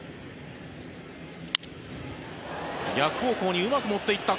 逆方向にうまく持って行った。